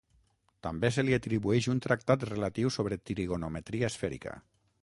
També se li atribueix un tractat relatiu sobre trigonometria esfèrica.